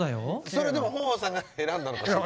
それでも豊豊さんが選んだのかしら。